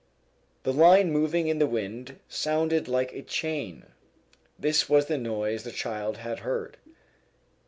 The line moving in the wind sounded like a chain. This was the noise the child had heard.